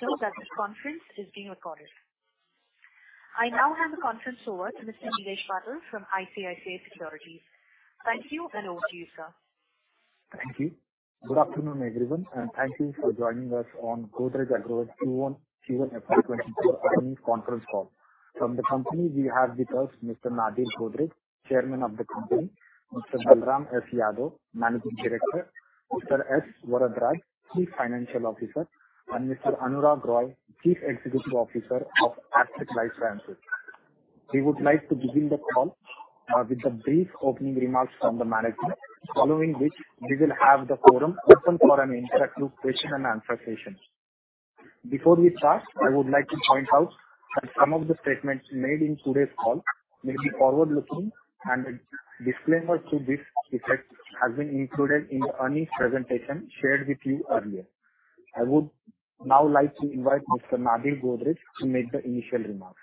This conference is being recorded. I now hand the conference over to Mr. Nihesh Patel from ICICI Securities. Thank you. Over to you, sir. Thank you. Good afternoon, everyone, thank you for joining us on Godrej Agrovet Q1 FY 2024 earnings conference call. From the company, we have with us Mr. Nadir Godrej, Chairman of the company, Mr. Balram S. Yadav, Managing Director, Mr. S. Varadraj, Chief Financial Officer, and Mr. Anurag Roy, Chief Executive Officer of Astec LifeSciences. We would like to begin the call with the brief opening remarks from the management, following which we will have the forum open for an interactive question and answer session. Before we start, I would like to point out that some of the statements made in today's call may be forward-looking, a disclaimer to this effect has been included in the earnings presentation shared with you earlier. I would now like to invite Mr. Nadir Godrej to make the initial remarks.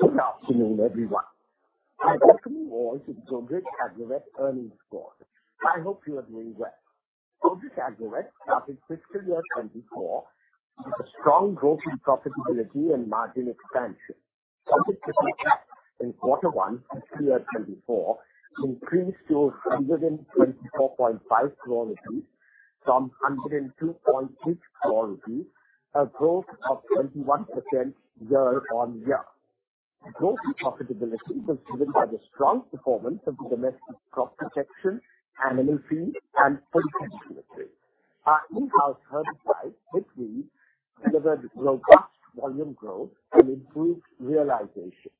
Good afternoon, everyone. I welcome you all to Godrej Agrovet Earnings Call. I hope you are doing well. Godrej Agrovet started fiscal year 2024 with a strong growth in profitability and margin expansion. Total profit in quarter one, fiscal year 2024, increased to 124.5 crore rupees from 102.6 crore rupees, a growth of 21% year-on-year. Growth in profitability was driven by the strong performance of the domestic crop protection, animal feed, and poultry category. Our in-house herbicides, which we delivered robust volume growth and improved realization.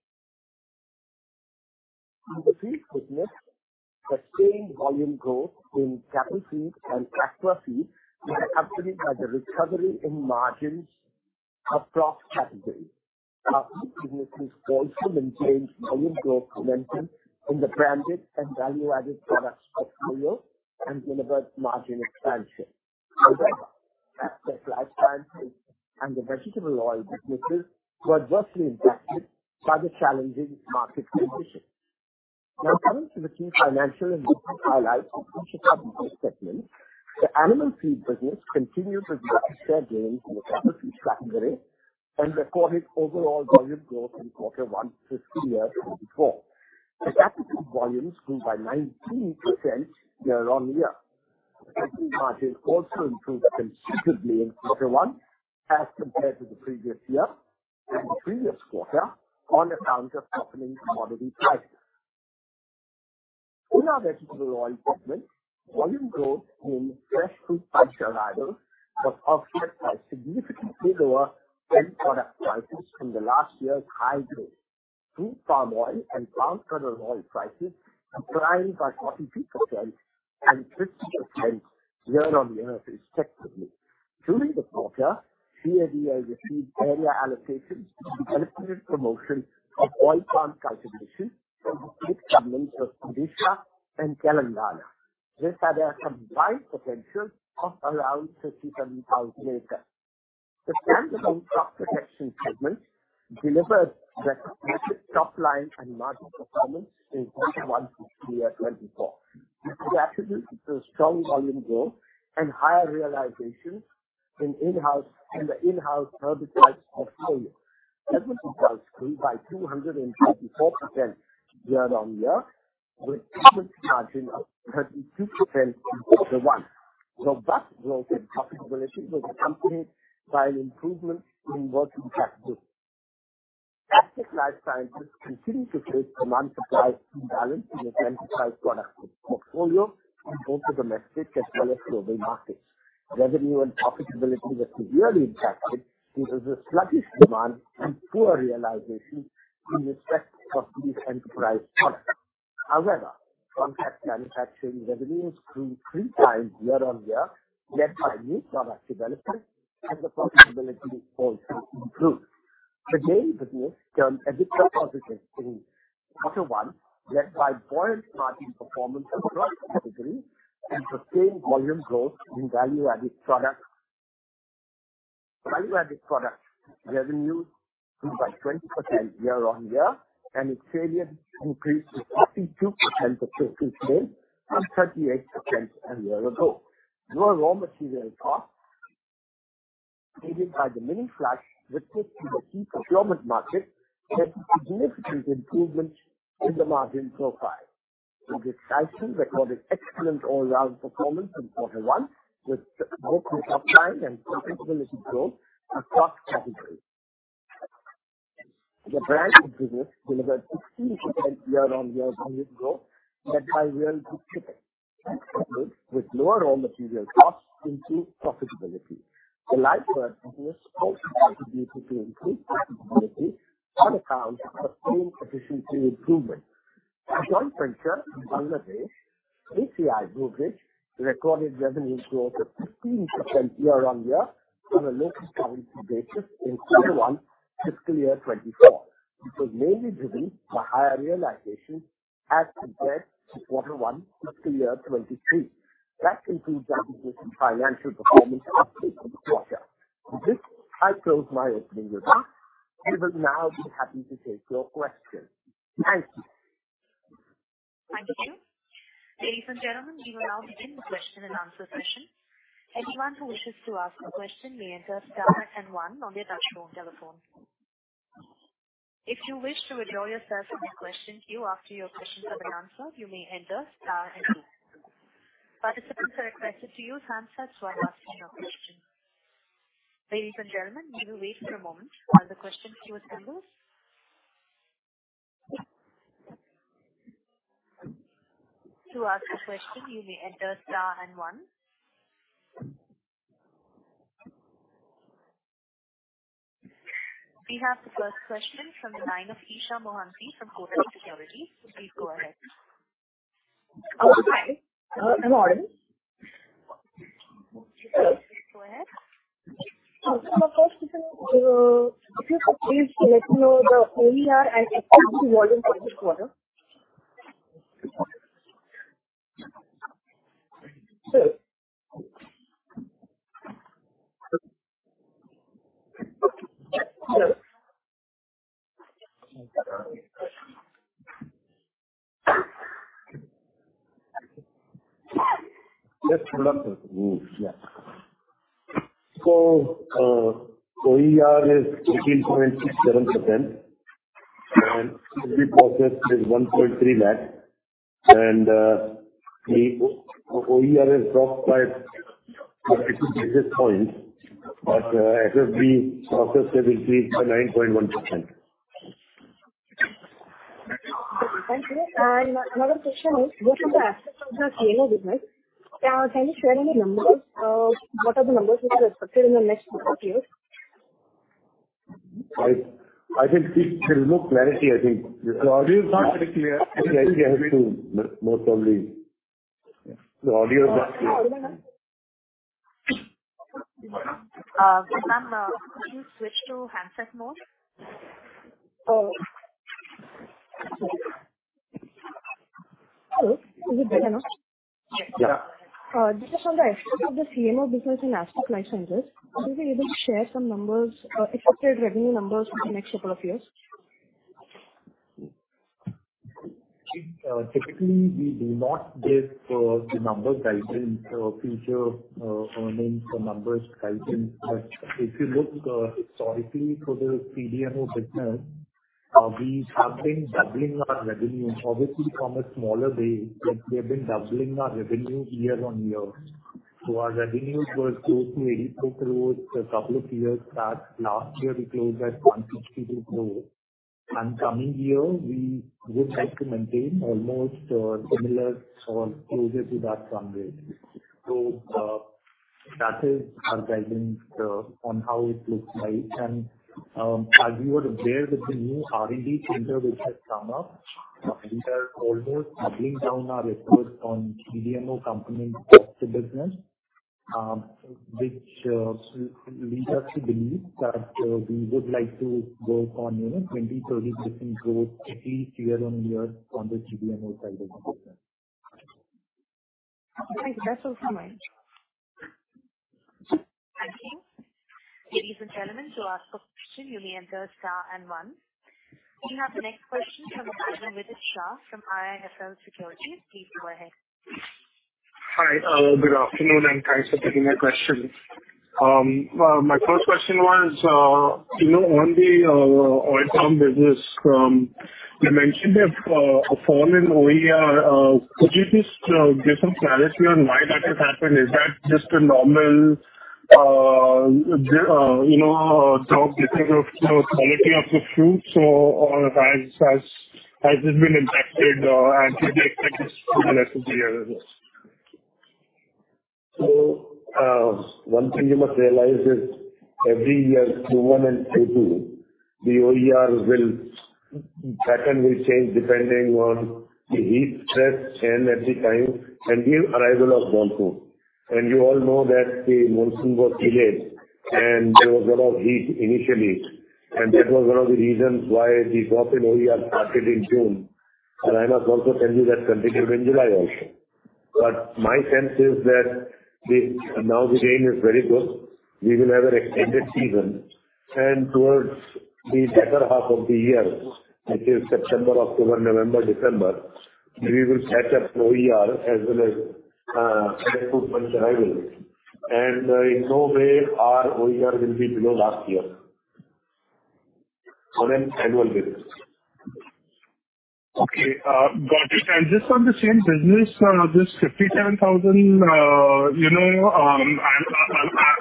In the feed business, the same volume growth in cattle feeds and aqua feeds was accompanied by the recovery in margins across categories. Our business also maintained volume growth momentum in the branded and value-added products portfolio and delivered margin expansion. However, Astec LifeSciences and the vegetable oil businesses were adversely impacted by the challenging market conditions. Coming to the key financial and business highlights of each of our business segments. The animal feed business continued to gain share gains in the cattle feeds category and recorded overall volume growth in quarter one, fiscal year 2024. The cattle feed volumes grew by 19% year-on-year. Margin also improved considerably in quarter one as compared to the previous year and the previous quarter on account of softening commodity prices. In our vegetable oil segment, volume growth in fresh food supply arrivals was offset by significantly lower end product prices from the last year's high growth. Through palm oil and palm kernel oil prices declined by 42% and 50% year-on-year respectively. During the quarter, CADA received area allocations and accelerated promotion of oil palm cultivation from the state governments of Odisha and Telangana. These had a combined potential of around 57,000 acres. The crop protection segment delivered record top line and margin performance in quarter one, fiscal year 2024. This is attributed to a strong volume growth and higher realization in the in-house herbicides portfolio, which grew by 254% year-on-year, with margin of 32% quarter one. Robust growth and profitability was accompanied by an improvement in working capital. Astec LifeSciences continued to face demand-supply imbalance in the enterprise product portfolio in both the domestic as well as global markets. Revenue and profitability were severely impacted due to the sluggish demand and poor realization in respect of these enterprise products. However, contract manufacturing revenues grew 3 times year-on-year, led by new product development, and the profitability is also improved. The dairy business turned additional profits in quarter one, led by volume, margin performance across categories, and sustained volume growth in value-added products. Value-added products revenue grew by 20% year-on-year, and its sales increased to 42% of sales from 38% a year ago. Lower raw material costs, aided by the mini flash, which led to the key procurement market, had a significant improvement in the margin profile. Godrej Tyson recorded excellent all-around performance in quarter one, with both the top line and profitability growth across categories. The branded business delivered 16% year-on-year volume growth, led by Real Good Chicken, with lower raw material costs into profitability. The Live bird business also contributed to increased profitability on account of sustained efficiency improvement. Our joint venture in Bangladesh, ACI Godrej, recorded revenue growth of 15% year-on-year on a local currency basis in quarter one, fiscal year 2024. It was mainly driven by higher realization as compared to quarter one, fiscal year 2023. That concludes our business and financial performance of this quarter. With this, I close my opening remarks. I will now be happy to take your questions. Thank you.... Thank you, too. Ladies and gentlemen, we will now begin the question and answer session. Anyone who wishes to ask a question may enter star and 1 on your touchtone telephone. If you wish to withdraw yourself from the question queue after your questions have been answered, you may enter star and 2. Participants are requested to use handsets while asking your question. Ladies and gentlemen, we will wait for a moment while the question queue is handled. To ask a question, you may enter star and 1. We have the first question from the line of Eesha Mohanty from Kotak Securities. Please go ahead. Hi. I'm on. Please go ahead. My first question, could you please let me know the OER and volume for this quarter? Just hold on. Yeah. OER is 13.67%, and every process is 1.3 lakh. The OER is dropped by 50 basis points, but FFB processed will be 9.1%. Thank you. Another question is, what is the asset of the CMO business? Can you share any numbers? What are the numbers which are expected in the next couple of years? I, I think it will look clarity, I think. The audio is not very clear. I think I have to more. The audio is not clear. Could you switch to handset mode? Oh. Hello, is it better now? Yeah. Just on the aspects of the CMO business and Astec LifeSciences, are you able to share some numbers, expected revenue numbers for the next couple of years? Typically, we do not give the number guidance or future earnings or numbers guidance. If you look historically for the CDMO business, we have been doubling our revenue, obviously from a smaller base, but we have been doubling our revenue year-on-year. Our revenues were close to INR 84 crores a couple of years back. Last year, we closed at 152 crores, and coming year, we would like to maintain almost similar or closer to that runway. That is our guidance on how it looks like. As you are aware, with the new R&D center which has come up, we are almost doubling down our efforts on CDMO company business, which leads us to believe that we would like to go on, you know, 20%, 30% growth each year-on-year on the CDMO side of the business. Thank you. That's all for me. Thank you. Ladies and gentlemen, to ask a question, you may enter star and 1. We have the next question from the line of Vidit Shah from IIFL Securities. Please go ahead. Hi, good afternoon, and thanks for taking my question. My first question was, you know, on the oil palm business, you mentioned a fall in OER. Could you just give some clarity on why that has happened? Is that just a normal, you know, drop because of the quality of the fruits or, or has, has, has it been impacted, and do you expect it to be less of the year as well? One thing you must realize is every year, 2021 and 2022, the pattern will change depending on the heat stress and at the time, and the arrival of monsoon. You all know that the monsoon was delayed and there was a lot of heat initially, and that was one of the reasons why the drop in OER started in June. I must also tell you that continued in July also. My sense is that now the rain is very good. We will have an extended season and towards the better half of the year, which is September, October, November, December, we will catch up OER as well as fresh fruit bunch arrival. In no way our OER will be below last year on an annual basis. Okay, got it. Just on the same business, this 50,000, you know,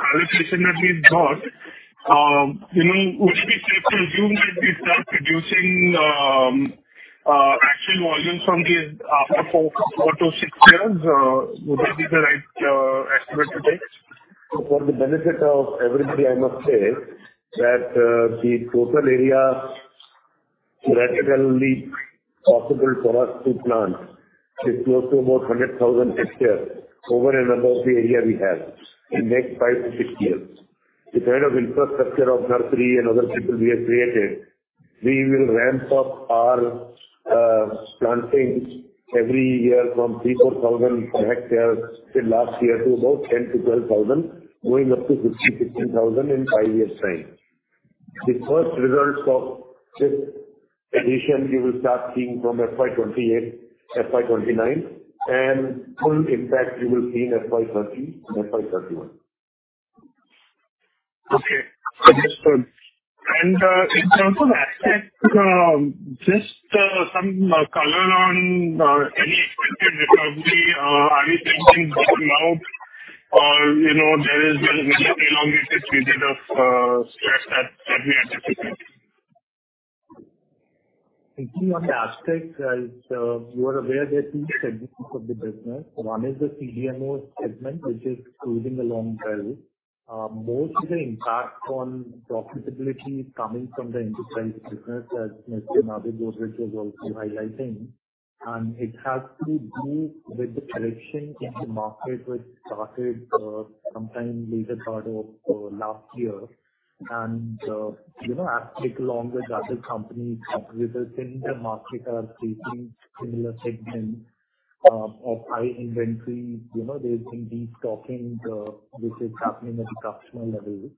allocation that we've got, you know, would it be safe to assume that we start producing actual volumes from this after 4-6 years? Would that be the right estimate to take? For the benefit of everybody, I must say that the total area practically possible for us to plant is close to about 100,000 hectares over and above the area we have in next five to six years. The kind of infrastructure of nursery and other people we have created, we will ramp up our plantings every year from 3,000, 4,000 hectares in last year to about 10,000-12,000, going up to 15,000, 15,000 in five years' time. The first results of this addition, you will start seeing from F.Y. 2028, F.Y. 2029, and full impact you will see in F.Y. 2030 and F.Y. 2031. Okay, understood. In terms of aspects, just some color on any expected recovery. Are you thinking now or, you know, there is an elongated period of stress that we are anticipating? Thinking on the aspects, as you are aware, there are two segments of the business. One is the CDMO segment, which is cruising along well. Most of the impact on profitability is coming from the enterprise business, as Mr. Nadir Godrej was also highlighting. It has to do with the correction in the market, which started sometime later part of last year. You know, Astec LifeSciences along with other companies with the same, the market are facing similar segments of high inventory. You know, they've been destocking, which is happening at the customer level.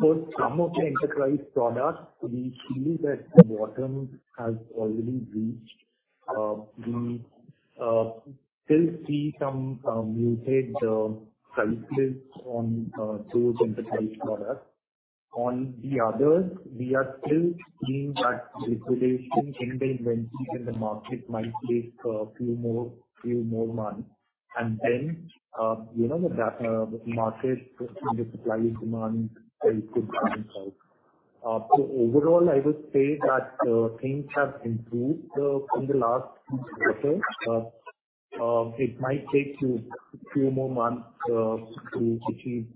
For some of the enterprise products, we feel that the bottom has already reached. We still see some muted cycles on those enterprise products. On the others, we are still seeing that liquidation in the inventory in the market might take a few more, few more months. You know, the data, the market and the supply and demand will balance out. Overall, I would say that things have improved from the last quarter. It might take two, two more months to achieve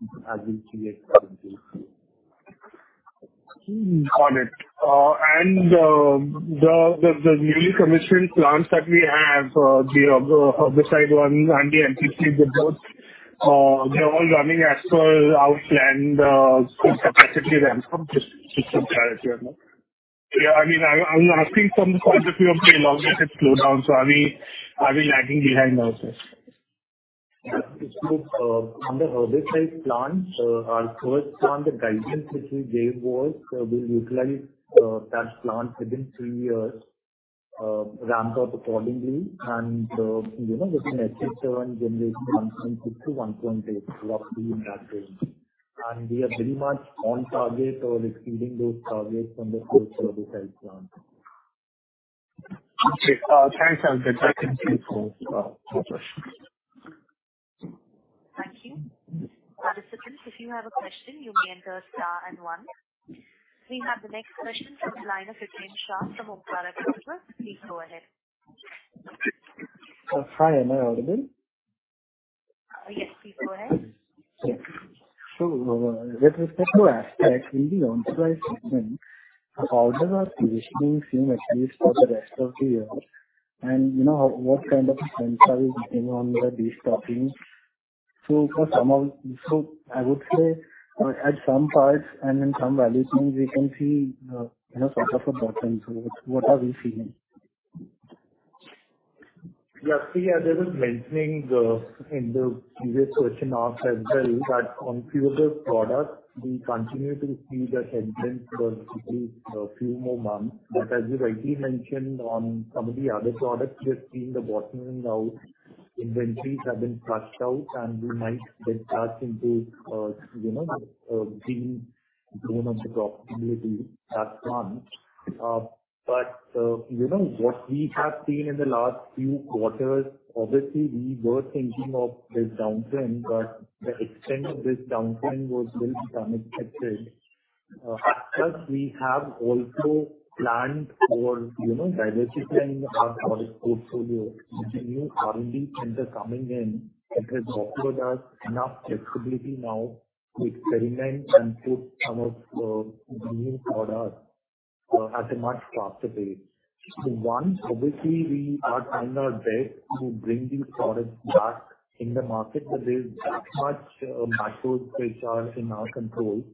normalcy as we see it currently. Got it. The newly commissioned plants that we have, the herbicide one and the NPC, they both, they're all running as per our planned capacity ramp, just to clarify as well? Yeah, I mean, I, I'm asking from the point of view of the elongated slowdown. Are we, are we lagging behind also? Yeah. On the herbicide plant, our first one, the guidance which we gave was, we'll utilize that plant within three years, ramp up accordingly. You know, it can achieve around generation 1.6-1.8 roughly in that range. We are very much on target or exceeding those targets on the whole herbicide plant. Okay, thanks. I was a bit confused, no question. Thank you. Participants, if you have a question, you may enter star and 1. We have the next question from the line of Hitesh Shah from Omkar Broker. Please go ahead. Hi. Am I audible? Yes, please go ahead. With respect to aspects in the on-site segment, how does our positioning seem, at least for the rest of the year? You know, what kind of a sense are we getting on the destockings? I would say, at some parts and in some value chains, we can see, you know, sort of a bottom. What are we seeing? Yeah, see, as I was mentioning, in the previous question asked as well, that on few of the products, we continue to see the headwind for a few more months. As you rightly mentioned, on some of the other products, we've seen the bottoming out. Inventories have been flushed out, and we might then start into, you know, seeing grown on the profitability. That's one. You know, what we have seen in the last few quarters, obviously, we were thinking of this downturn, but the extent of this downturn was little unexpected. We have also planned for, you know, diversifying our product portfolio. The new R&D center coming in, it has offered us enough flexibility now to experiment and put some of the new products, at a much faster pace. one, obviously we are trying our best to bring these products back in the market, but there's that much macros which are in our control.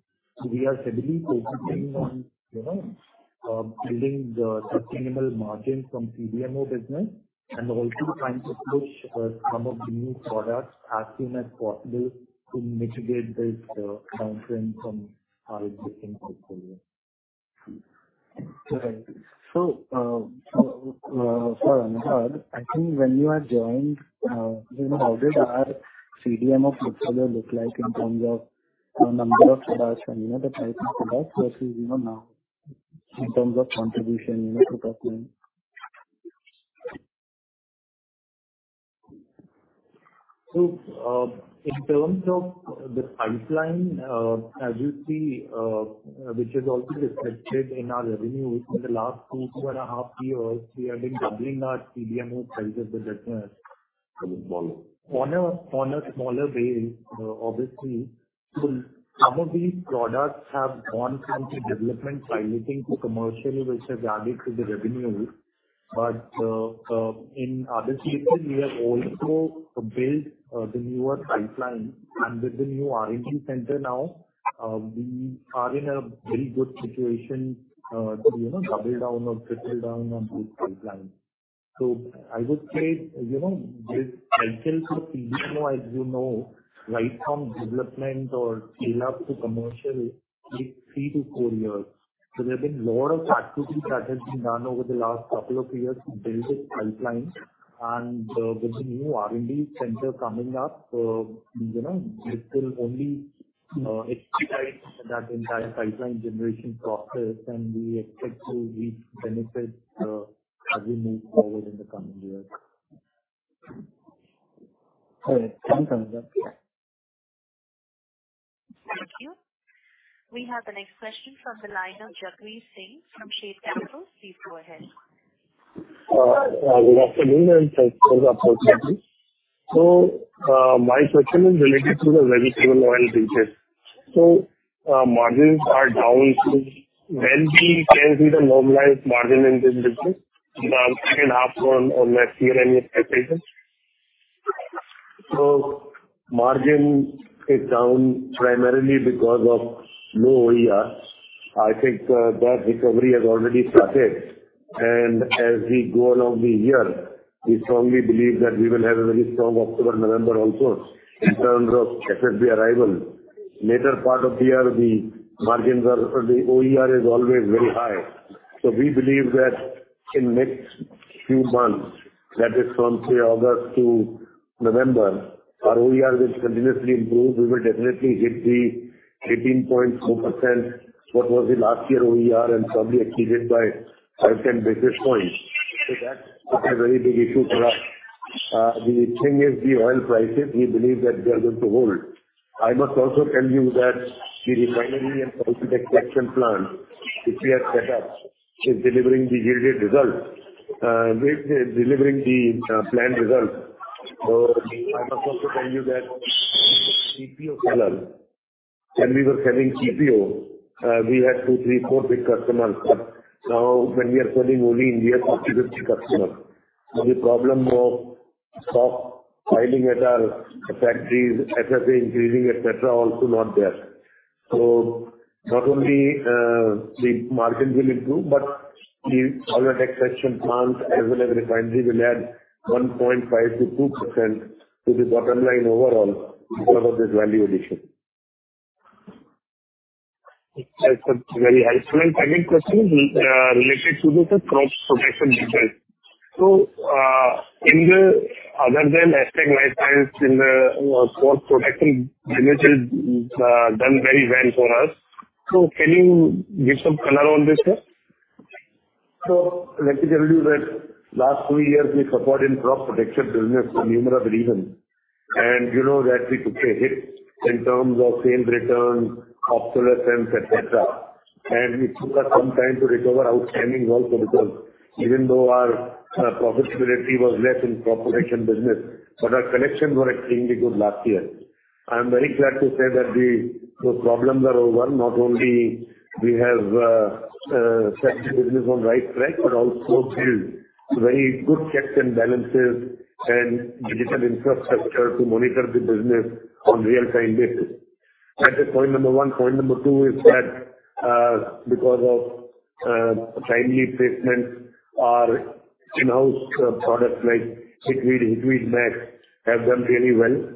We are heavily focusing on, you know, building the sustainable margin from CDMO business and also trying to push some of the new products as soon as possible to mitigate this downturn from our different portfolio. Right. For Anurag, I think when you had joined, you know, how did our CDMO portfolio look like in terms of, number of products and, you know, the types of products versus, you know, now, in terms of contribution, you know, to top line? In terms of the pipeline, as you see, which is also reflected in our revenues for the last 2.5 years, we have been doubling our CDMO sales of the business. Small. On a, on a smaller base, obviously, some of these products have gone from the development piloting to commercially, which has added to the revenues. In other cases, we have also built the newer pipeline. With the new R&D center now, we are in a very good situation, to, you know, double down or triple down on this pipeline. I would say, you know, this cycle for CDMO, as you know, right from development or scale up to commercial, take three-four years. There have been a lot of activities that has been done over the last two years to build this pipeline. With the new R&D center coming up, you know, this will only expedite that entire pipeline generation process, and we expect to reach benefits, as we move forward in the coming years. All right, thanks, Anuja. Thank you. We have the next question from the line of Jagdish Singh from Sharekhan. Please go ahead. Good afternoon, and thanks for the opportunity. My question is related to the vegetable oil business. Margins are down. When we can see the normalized margin in this business, the second half on, on next year, any expectation? Margin is down primarily because of low OER. I think that recovery has already started, and as we go along the year, we strongly believe that we will have a very strong October, November also, in terms of FFB arrival. Later part of the year, the OER is always very high. We believe that in next few months, that is from, say, August to November, our OER will continuously improve. We will definitely hit the 18.4%, what was the last year OER, and probably exceeded by five-10 basis points. That's not a very big issue for us. The thing is the oil prices, we believe that they are going to hold. I must also tell you that the refinery and polyolefins extraction plant, which we have set up, is delivering the yielded results, delivering the planned results. I must also tell you that when we were selling TPO, we had two, three, four big customers, but now when we are selling only in we have up to 50 customers. The problem of stock piling at our factories, FFB increasing, et cetera, also not there. Not only the margins will improve, but the polyolefins extraction plants as well as refinery will add 1.5%-2% to the bottom line overall because of this value addition. That's a very high. My second question is, related to the crop protection business. In the other than Astec LifeSciences, in the crop protection business, done very well for us. Can you give some color on this, sir? Let me tell you that last two years we suffered in crop protection business for numerous reasons, and you know that we took a hit in terms of sales return, obsolescence, et cetera. It took us some time to recover outstanding also, because even though our profitability was less in crop protection business, but our collections were extremely good last year. I am very glad to say that those problems are over. Not only we have set the business on right track, but also built very good checks and balances and digital infrastructure to monitor the business on real-time basis. That is point number one. Point number two is that because of timely placements, our in-house products like HitWeed, HitWeed Max, have done really well.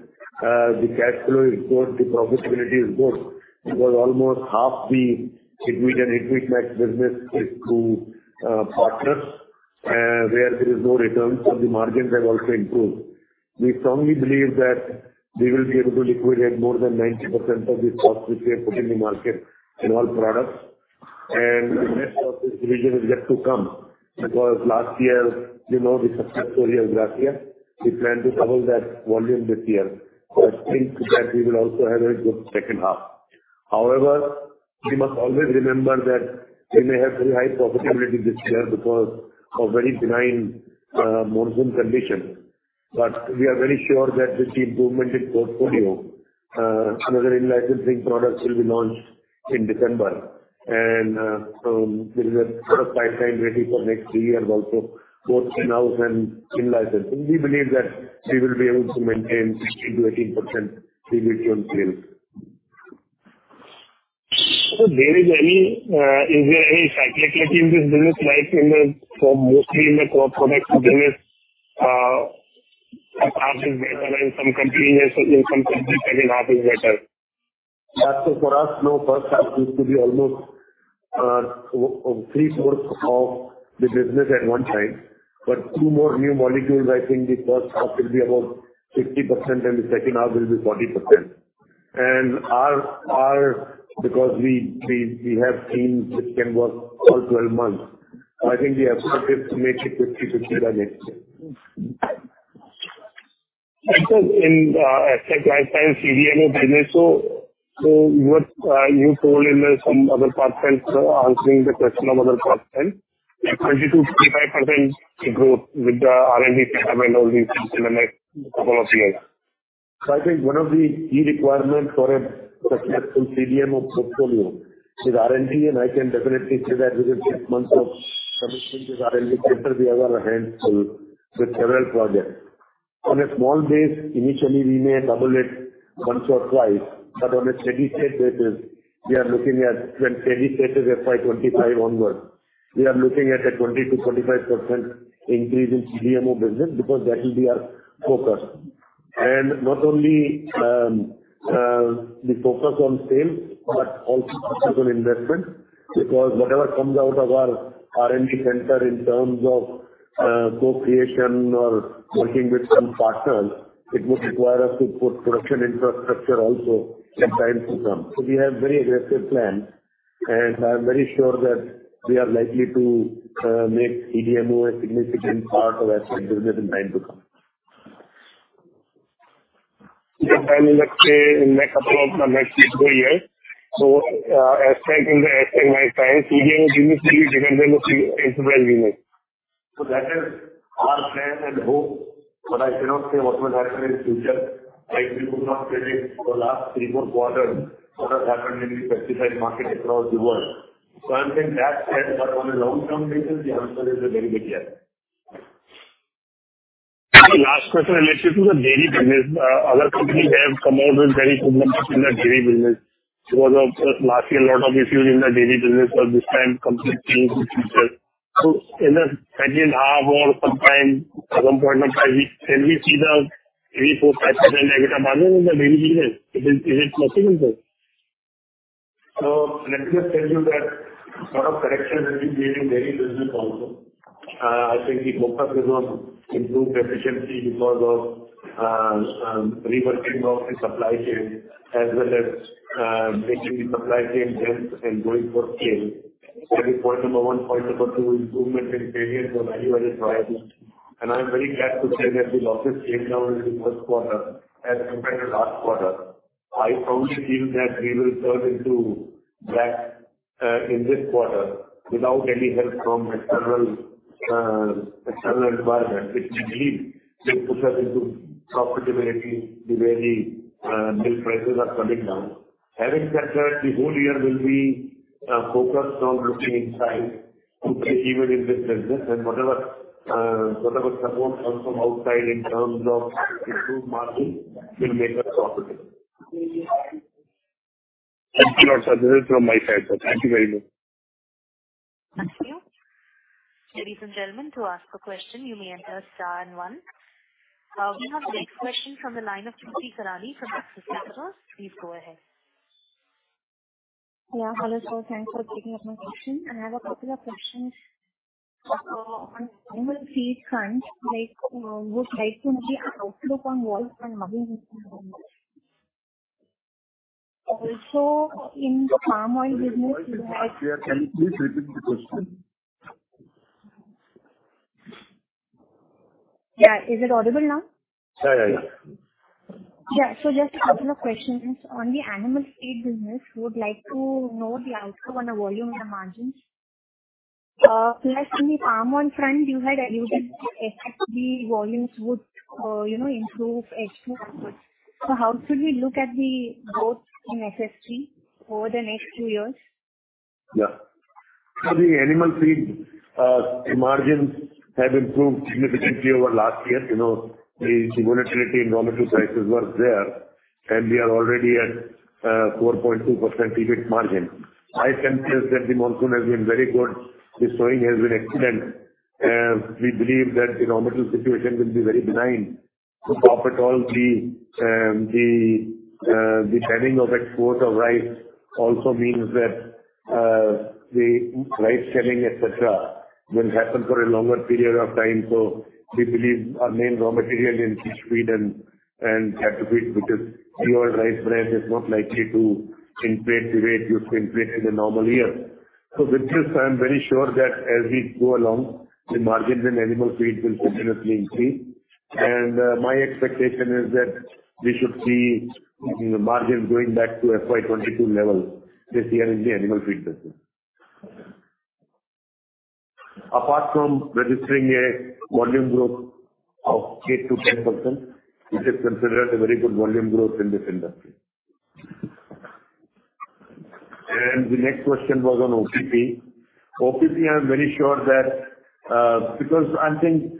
The cash flow is good. The profitability is good because almost half the HitWeed and HitWeed Max business is through partners, where there is no returns. The margins have also improved. We strongly believe that we will be able to liquidate more than 90% of the cost which we have put in the market in all products. The rest of this division is yet to come, because last year, you know, the was last year. We plan to double that volume this year. I think that we will also have a good second half. However, we must always remember that we may have very high profitability this year because of very benign monsoon conditions. We are very sure that with the improvement in portfolio, another in-licensing products will be launched in December. There is a product pipeline ready for next three years, also, both in-house and in licensing. We believe that we will be able to maintain 16%-18% EBITDA on sales. Is there any cyclicality in this business, like in the, for mostly in the crop protection business, a half is better in some countries, in some countries, second half is better? Yeah. For us, no, first half used to be almost, three/four of the business at one time, but two more new molecules, I think the first half will be about 60% and the second half will be 40%. Our, our because we, we, we have seen it can work all 12 months, I think we have started to make it 50/50 by next year. In lifestyle CDMO business, so what you told in some other parts and answering the question of other parts, and a 20%-35% growth with the R&D pipeline or the cinematic portfolio? I think one of the key requirements for a successful CDMO portfolio is R&D, and I can definitely say that within six months of establishment of R&D center, we have our hands full with several projects. On a small base, initially we may double it once or twice, but on a steady state basis, we are looking at when steady state is FY 25 onwards, we are looking at a 20%-25% increase in CDMO business because that will be our focus. Not only we focus on sales, but also focus on investment, because whatever comes out of our R&D center in terms of co-creation or working with some partners, it would require us to put production infrastructure also in time to come. We have very aggressive plan, and I'm very sure that we are likely to make CDMO a significant part of our business in time to come. It will take a couple of next two years. Expect in the next two years, CDMO business will be different than what it is right now. That is our plan and hope, but I cannot say what will happen in future. I could not say it for last three, four quarters, what has happened in the pesticide market across the world. I'm saying that, but on a long-term basis, the answer is a very big yes. Last question related to the dairy business. Other companies have come out with very good numbers in the dairy business. Because of last year, a lot of issues in the dairy business, but this time complete change in future. In the second half or sometime at some point of time, can we see the 3%, 4%, 5% negative margin in the dairy business? Is it, is it possible? Let me just tell you that a lot of correction has been made in dairy business also. I think the focus is on improved efficiency because of reworking of the supply chain, as well as making the supply chain dense and going for scale. That is point one. Point two, improvement in various value-added varieties. I'm very glad to say that the losses came down in the first quarter as compared to last quarter. I strongly feel that we will turn into black in this quarter without any help from external external environment, which we believe will put us into profitability, the way the milk prices are coming down. Having said that, the whole year will be focused on looking inside, even in this business and whatever, whatever support comes from outside in terms of improved margin will make us profitable. Thank you a lot, sir. This is from my side. Thank you very much. Thank you. Ladies and gentlemen, to ask a question, you may enter star and 1. We have the next question from the line of Trupti Karade from Axis Securities. Please go ahead. Yeah, hello, sir. Thanks for taking up my question. I have a couple of questions. On animal feed front, like, would like to know the outlook on volume and margin. Also, in the palm oil business- Can you please repeat the question? Yeah. Is it audible now? Yeah, yeah. Yeah. Just a couple of questions. On the animal feed business, we would like to know the outcome on the volume and the margins. Plus on the palm oil front, you had alluded that FFB volumes would, you know, improve H2 onwards. How should we look at the growth in FFB over the next few years? Yeah. The animal feed margins have improved significantly over last year. You know, the volatility in raw material prices was there, and we are already at 4.2% EBIT margin. My sense is that the monsoon has been very good. The sowing has been excellent, and we believe that the raw material situation will be very benign. To top it all, the banning of export of rice also means that the rice selling, et cetera, will happen for a longer period of time. We believe our main raw material in fish feed and, and cattle feed, because pure rice bran is not likely to inflate the rate you inflate in a normal year. With this, I'm very sure that as we go along, the margins in animal feed will continuously increase. My expectation is that we should see the margins going back to FY 2022 level this year in the animal feed business. Apart from registering a volume growth of 8%-10%, which is considered a very good volume growth in this industry. The next question was on OPP. OPP, I'm very sure that because I think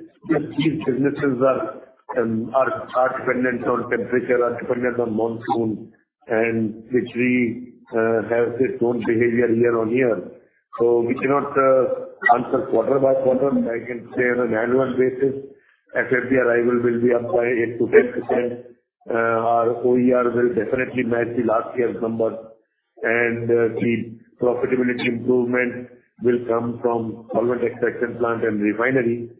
these businesses are, are, are dependent on temperature, are dependent on monsoon, and which we have their own behavior year on year. So we cannot answer quarter by quarter. I can say on an annual basis, FFB arrival will be up by 8%-10%. Our OER will definitely match the last year's numbers, and the profitability improvement will come from solvent extraction plant and refinery.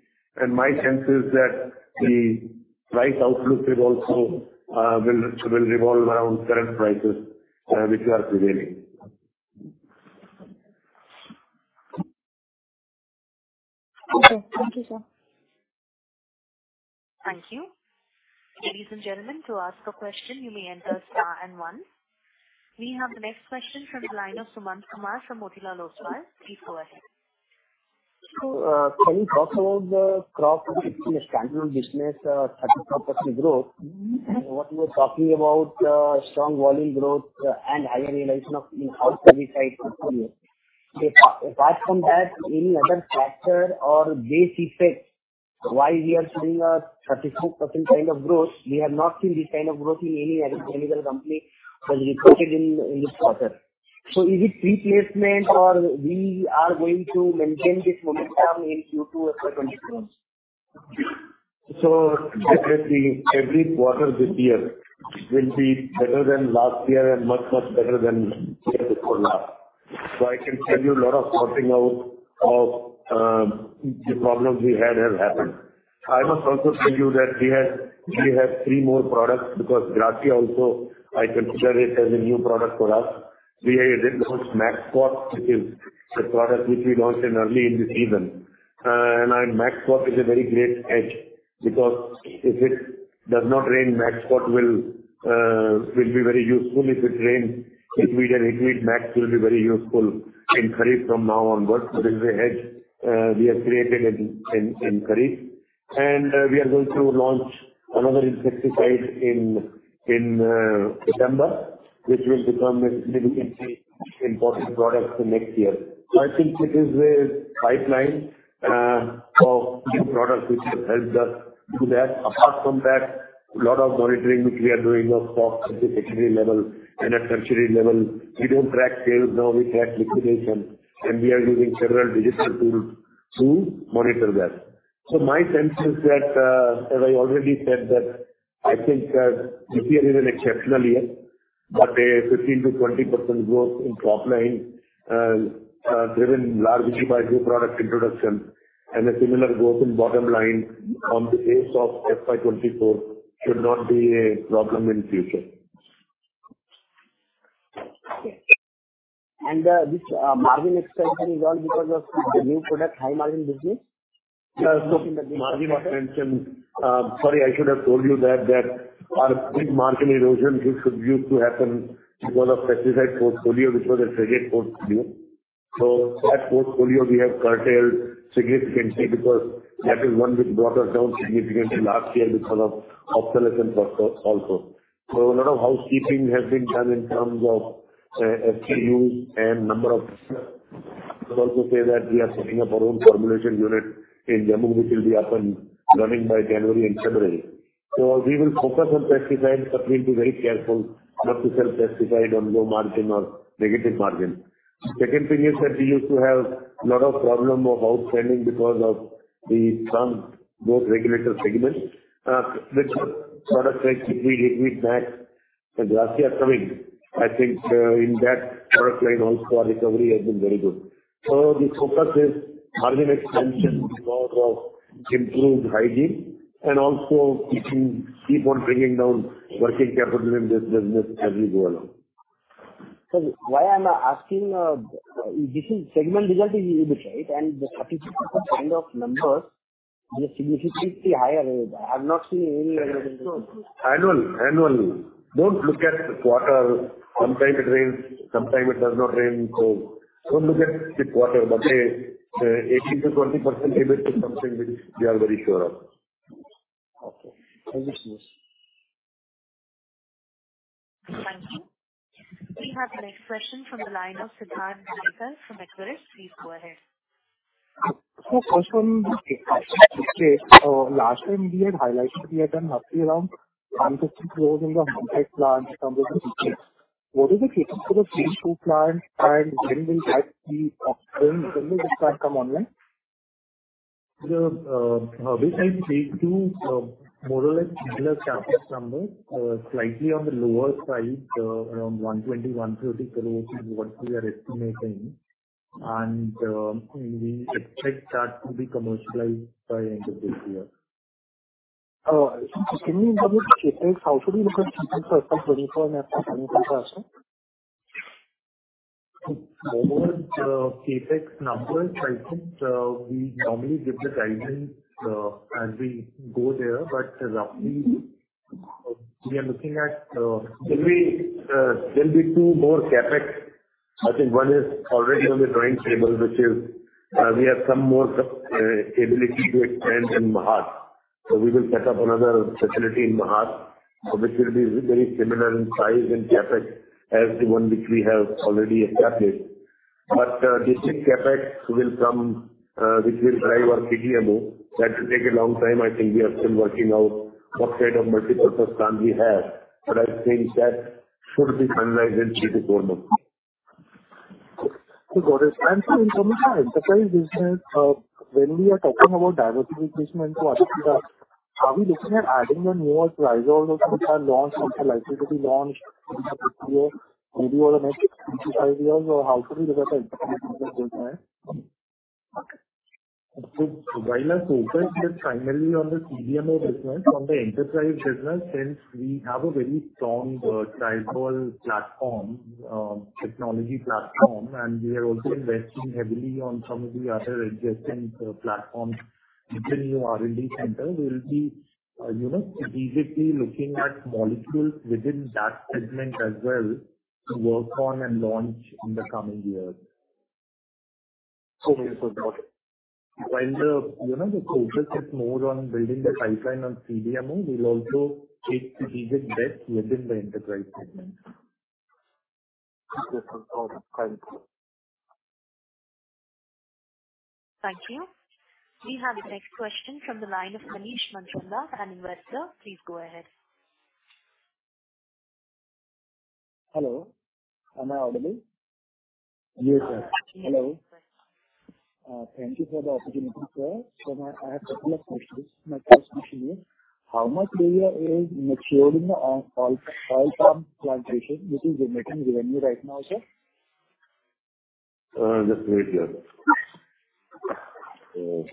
My sense is that the rice outlook will also, will, will revolve around current prices, which are prevailing. Okay. Thank you, sir. Thank you. Ladies and gentlemen, to ask a question, you may enter star one. We have the next question from the line of Suman Kumar from Motilal Oswal. Please go ahead. Can you talk about the crop protection business, 35% growth? What you were talking about, strong volume growth and higher realization of the output side portfolio.... Apart from that, any other factor or base effect, why we are seeing a 34% kind of growth? We have not seen this kind of growth in any agricultural company as reported in, in this quarter. Is it replacement or we are going to maintain this momentum in Q2 of 2022? Definitely every quarter this year will be better than last year and much, much better than the year before last. I can tell you a lot of sorting out of the problems we had has happened. I must also tell you that we have, we have three more products because Gracia also, I consider it as a new product for us. We did launch Maxxpot, which is a product which we launched early in the season. And Maxxpot is a very great edge, because if it does not rain, Maxxpot will be very useful. If it rains, if we get a Max will be very useful in Kharif from now onwards. This is a hedge we have created in, in, in Kharif. We are going to launch another insecticide in, in September, which will become a significantly important product in next year. I think it is a pipeline of new products which have helped us do that. Apart from that, a lot of monitoring, which we are doing of stock at the category level and at country level, we don't track sales now, we track liquidation, and we are using several digital tools to monitor that. My sense is that, as I already said, that I think that this year is an exceptional year, but a 15%-20% growth in top line, driven largely by new product introduction and a similar growth in bottom line on the base of FY 2024 should not be a problem in future. Okay. This margin expansion is all because of the new product, high margin business? Yeah, margin expansion. Sorry, I should have told you that, that our big margin erosion which used to happen because of pesticide portfolio, which was a trade portfolio. That portfolio we have curtailed significantly because that is one which brought us down significantly last year because of obsolescence also. A lot of housekeeping has been done in terms of SCU and number of. I would also say that we are setting up our own formulation unit in Jammu, which will be up and running by January and February. We will focus on pesticides, but we need to be very careful not to sell pesticides on low margin or negative margin. Second thing is that we used to have a lot of problem of outstanding because of the some both regulatory segments, which products like HitWeed Max and Gracia are coming, I think, in that product line also our recovery has been very good. The focus is margin expansion because of improved hygiene and also keep on bringing down working capital in this business as we go along. Why I'm asking, this is segment result is right and the 34% of numbers are significantly higher. I have not seen any- Annual, annual. Don't look at quarter. Sometime it rains, sometime it does not rain. Don't look at the quarter. A, 18%-20% is something which we are very sure of. Okay. Thank you so much. Thank you. We have the next question from the line of Siddhartha Khemka from Equirus. Please go ahead. First one, okay, last time we had highlighted, we had done roughly around INR 150 crore in the homicide plant. What is the capex for the Phase 2 plant and when will that be upcoming? When will this plant come online? The, this time phase 2, more or less similar CapEx numbers, slightly on the lower side, around 120-130 crore is what we are estimating. We expect that to be commercialized by end of this year. Can you elaborate CapEx? How should we look at CapEx for FY 2024 and FY 2025, sir? Over the CapEx numbers, I think, we normally give the guidance, as we go there, but roughly we are looking at. There'll be two more CapEx. I think one is already on the drawing table, which is, we have some more ability to expand in Mahad. We will set up another facility in Mahad, which will be very similar in size and CapEx as the 1 which we have already established. District CapEx will come, which will drive our CDMO. That will take a long time. I think we are still working out what kind of multipurpose plant we have, but I think that should be finalized in three-four months. Got it. For enterprise business, when we are talking about diversity replacement to Adopta, are we looking at adding a newer trial or some launch, which are likely to be launched in the next year, maybe over the next two to five years? Or how should we look at this time? While our focus is primarily on the CDMO business, from the enterprise business, since we have a very strong trial ball platform, technology platform, and we are also investing heavily on some of the other adjacent platforms. With the new R&D center, we will be, you know, strategically looking at molecules within that segment as well to work on and launch in the coming years. Okay, sir. Got it. While the, you know, the focus is more on building the pipeline on CDMO, we'll also take the easy bet within the enterprise segment. Okay, sir. Got it. Thank you. Thank you. We have the next question from the line of Manish Manchanda and Investra. Please go ahead. Hello, am I audible? Yes, sir. Hello. Thank you for the opportunity, sir. I have couple of questions. My first question is, how much area is matured in the oil palm plantation, which is generating revenue right now, sir? Just wait here. Hold,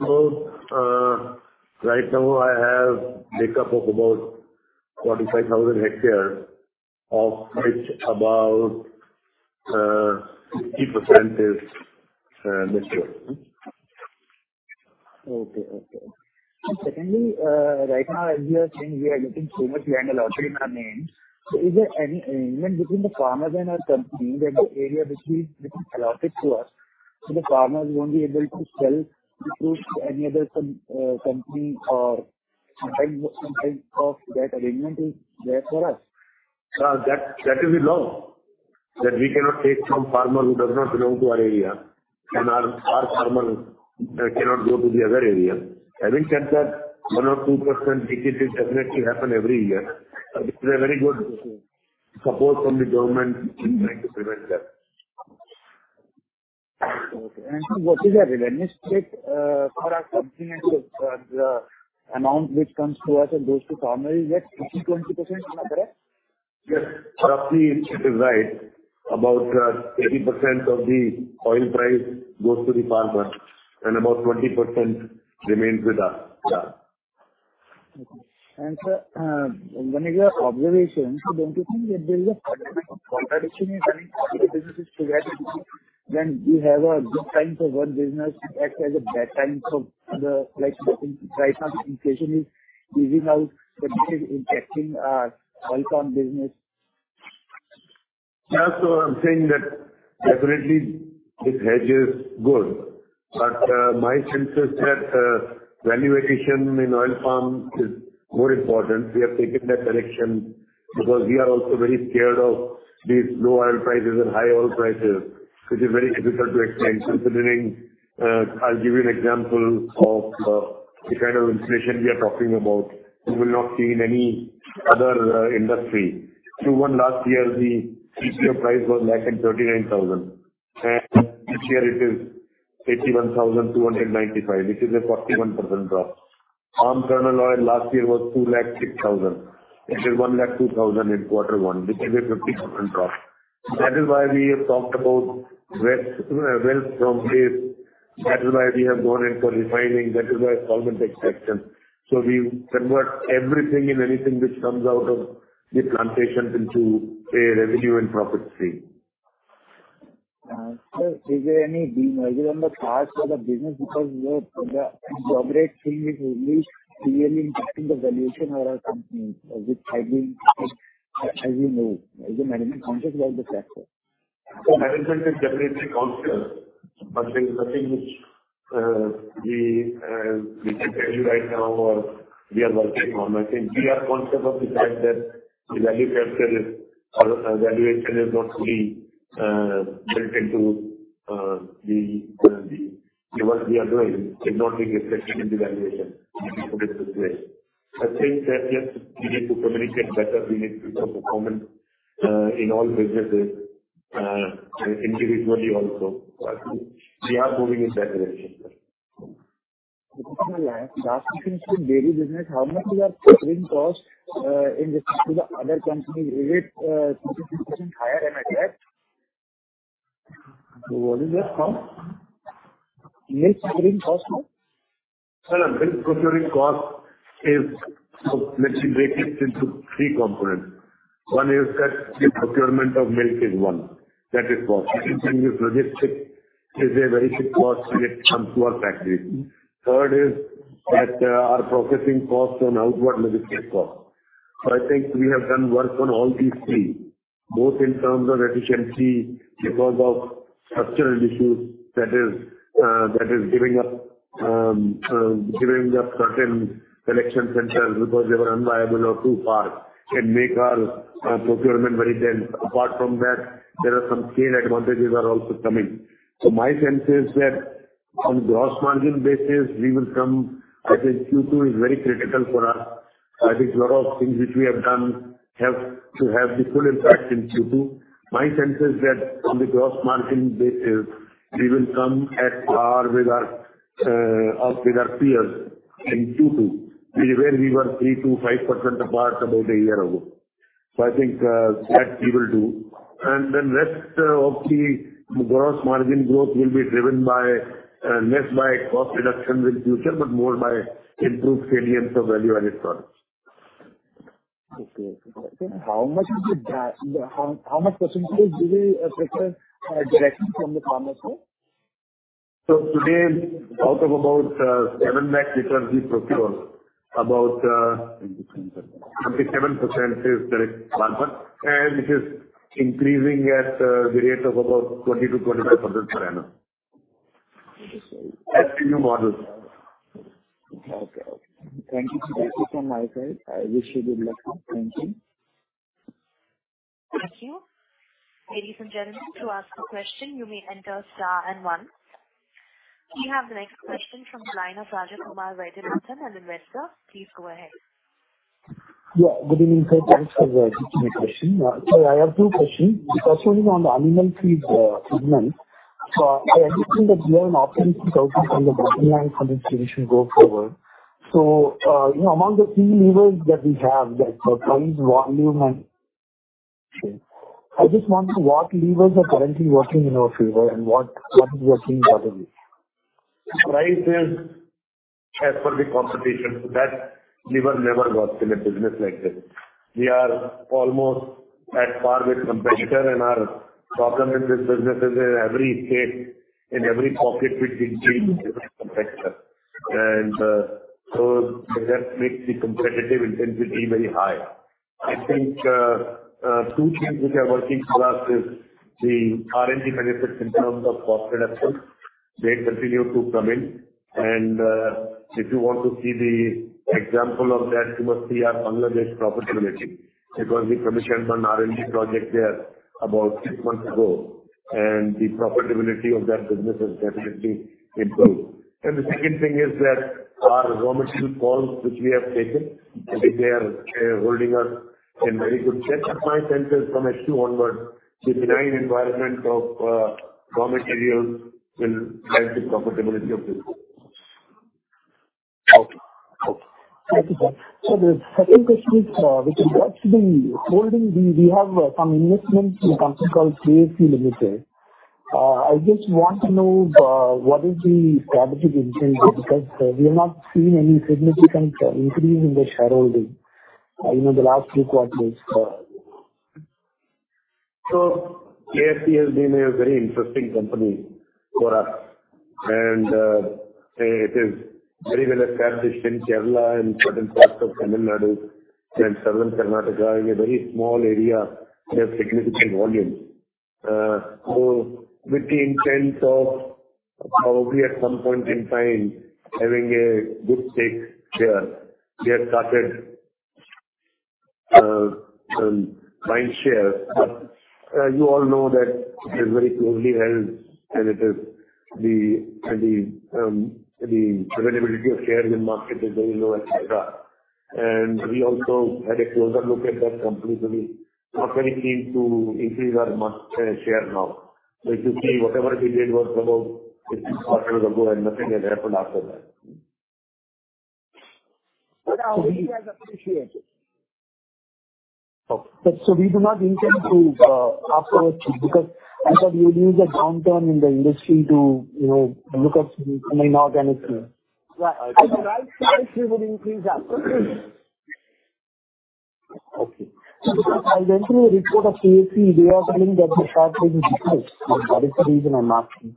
hold on. Right now I have makeup of about 45,000 hectares, of which about 50% is this year. Okay, okay. Secondly, right now, as we are saying, we are getting so much land allotted in our name. Is there any arrangement between the farmers and our company, that the area which is being allotted to us, so the farmers won't be able to sell the fruits to any other company or some type, some type of that arrangement is there for us? That, that is the law, that we cannot take from farmer who does not belong to our area, and our, our farmer, cannot go to the other area. Having said that, 1% or 2% leakage is definitely happen every year. It's a very good support from the government in trying to prevent that. Okay. sir, what is the revenueness rate for our company and the amount which comes to us and goes to farmers, is that 15%-20%, am I correct? Yes. Roughly, it is right. About 80% of the oil price goes to the farmer, about 20% remains with us, yeah. Okay. Sir, one is your observation. Don't you think that there is a contradiction is running for the businesses together? When you have a good time for one business, it acts as a bad time for the... Like, right now, the inflation is giving out, especially impacting our oil palm business. I'm saying that definitely this hedge is good, but my sense is that valuation in oil palm is more important. We have taken that direction because we are also very scared of these low oil prices and high oil prices, which is very difficult to explain, considering I'll give you an example of the kind of inflation we are talking about. You will not see in any other industry. One last year, the CPO price was 139,000, and this year it is 81,295, which is a 41% drop. Palm kernel oil last year was 206,000. It is 102,000 in quarter one, which is a 50% drop. That is why we have talked about wealth, wealth from this. That is why we have gone in for refining, that is why solvent extraction. We convert everything and anything which comes out of the plantations into a revenue and profit stream. Sir, is there any deal margin on the cost for the business? The, the job rate thing is only clearly impacting the valuation of our company, which had been, as we know. Is the management conscious about this factor? Management is definitely conscious, but there's nothing which we we can tell you right now or we are working on. I think we are conscious of the fact that the value capture is... Our valuation is not fully built into the the the work we are doing should not be reflected in the valuation I think that, yes, we need to communicate better. We need to perform in all businesses individually also. We are moving in that direction. Last question is in dairy business. How much is our procuring cost in comparison to the other companies? Is it 50% higher than that? What is that cost? Milk procuring cost, no? No, no. Milk procuring cost is... Let me break it into three components. One is that the procurement of milk is one, that is cost. Second thing is logistic, is a very big cost to get some to our factory. Third is that, our processing costs and outward logistics cost. I think we have done work on all these three, both in terms of efficiency because of structural issues, that is, that is giving up, giving up certain collection centers because they were unviable or too far, can make our procurement very dense. Apart from that, there are some scale advantages are also coming. My sense is that on gross margin basis, we will come... I think Q2 is very critical for us. I think a lot of things which we have done have to have the full impact in Q2. My sense is that on the gross margin, we will come at par with our or with our peers in Q2, where we were 3%-5% apart about a year ago. I think that we will do. Then rest of the gross margin growth will be driven by less by cost reduction in future, but more by improved cadence of value-added products. Okay, how much is the how, how much percent do we procure directly from the farmers here? Today, out of about seven million liters we procure, about 77% is direct farmer, and it is increasing at the rate of about 20%-25% per annum. Interesting. That's the new model. Okay. Thank you. Thank you from my side. I wish you good luck. Thank you. Thank you. Ladies and gentlemen, to ask a question, you may enter star and one. We have the next question from the line of Rajan Kumar Rathi and An investor. Please go ahead. Yeah, good evening, sir. Thanks for taking my question. I have two questions. The first one is on the animal feed segment. I think that we have an opportunity to output from the bottom line for this solution go forward. You know, among the key levers that we have, that price, volume, and... I just wanted to know what levers are currently working in our favor and what, what is your team strategy? Price is as per the competition. That lever never works in a business like this. We are almost at par with competitor. Our problem in this business is in every state, in every pocket, which we change the competitor. That makes the competitive intensity very high. I think two things which are working for us is the R&D benefits in terms of cost reduction. They continue to come in. If you want to see the example of that, you must see our Bangladesh profitability. Because we commissioned an R&D project there about six months ago, and the profitability of that business has definitely improved. The second thing is that our raw material calls, which we have taken, I think they are holding us in very good shape. My sense is from H2 onwards, the benign environment of raw materials will help the profitability of this. Okay. Okay. Thank you, sir. The second question is, with regards to the holding, we, we have, some investment in a company called KSE Limited. I just want to know, what is the strategic intention, because we have not seen any significant increase in the shareholding, you know, in the last few quarters. KAC has been a very interesting company for us, and it is very well established in Kerala and certain parts of Tamil Nadu and southern Karnataka. In a very small area, they have significant volume. With the intent of probably at some point in time, having a good stake there, we have started buying shares. You all know that it is very closely held, and it is the, and the availability of shares in market is very low, et cetera. We also had a closer look at that company to be not very keen to increase our mark share now. If you see, whatever we did was about 6 quarters ago, and nothing has happened after that. Our view has appreciated. Okay. we do not intend to ask for a fee because, because we will use a downturn in the industry to, you know, look at some inorganic thing. Right. At the right price, we would increase our share. Okay. Because I went through a report of KAC, they are telling that the shareholding is high. That is the reason I'm asking.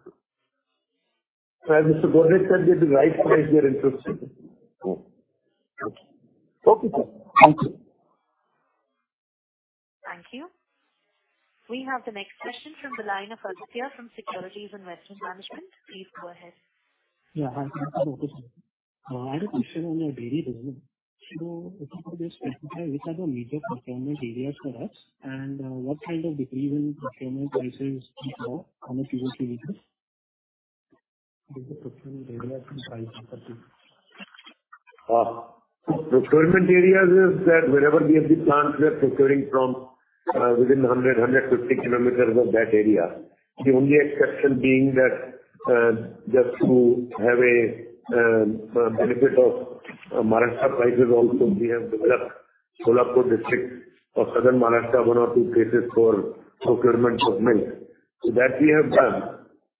Gaurav Gore said, at the right price, we are interested. Oh, okay. Okay, sir. Thank you. Thank you. We have the next question from the line of Althea from Securities Investment Management. Please go ahead. Yeah. Hi, good morning, sir. I had a question on your dairy business. A couple of days, which are the major procurement areas for us, and what kind of decrease in procurement prices do you have on a Q2 basis? Major procurement areas and prices? Procurement areas is that wherever we have the plants, we are procuring from within 100-150 kilometers of that area. The only exception being that just to have a benefit of Maharashtra prices also, we have developed Kolhapur district of southern Maharashtra, one or two places for procurement of milk. That we have done.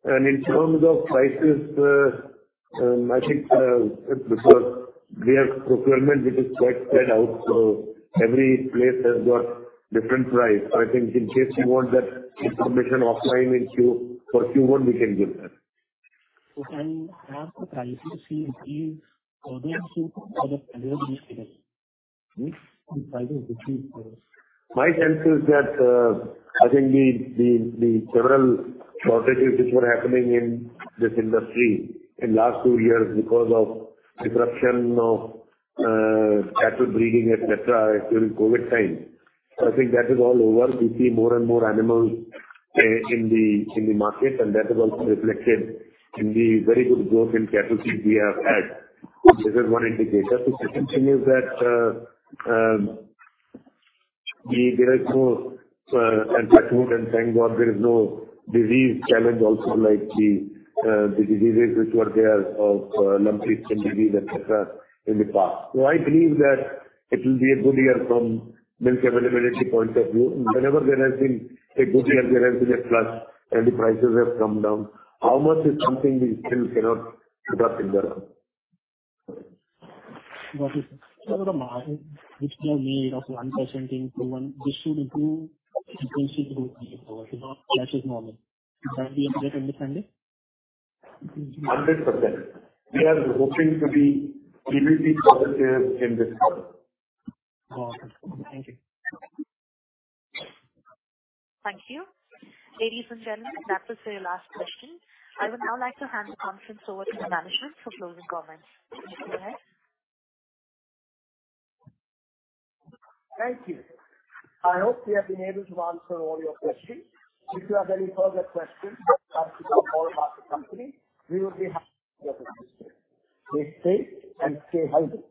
In terms of prices, I think because we have procurement, which is quite spread out, every place has got different price. I think in case you want that information offline, for Q1, we can give that. Can I have the prices to see if these other issues are available today on prices, which is? My sense is that, I think the, the, the several shortages which were happening in this industry in last two years because of disruption of, cattle breeding, et cetera, during COVID time. I think that is all over. We see more and more animals, in the, in the market, and that is also reflected in the very good growth in cattle feed we have had. This is one indicator. The second thing is that, there is no, and thank God, there is no disease challenge also, like the, the diseases which were there of, lumpy skin disease, et cetera, in the past. I believe that it will be a good year from milk availability point of view. Whenever there has been a good year, there has been a flush and the prices have come down. How much is something we still cannot put our finger on. Got it. The market, which was made of 1% in Q1, this should improve potentially going forward. That is normal. Can we update on the same day? 100%. We are hoping to be decently positive in this quarter. Awesome. Thank you. Thank you. Ladies and gentlemen, that was our last question. I would now like to hand the conference over to the management for closing comments. Please go ahead. Thank you. I hope we have been able to answer all your questions. If you have any further questions about the company, we will be happy to assist you. Stay safe and stay healthy.